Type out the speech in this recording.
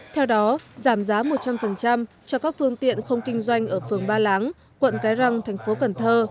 theo đó giảm giá một trăm linh cho các phương tiện không kinh doanh ở phường ba láng quận cái răng tp cn